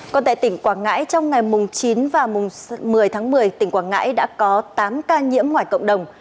còn tại tỉnh quảng ngãi trong ngày mùng chín và một mươi tháng một mươi tỉnh quảng ngãi đã có tám ca nhiễm ngoài cộng đồng